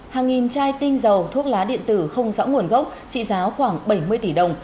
hàng nghìn chai tinh dầu thuốc lá điện tử không rõ nguồn gốc trị giá khoảng bảy mươi tỷ đồng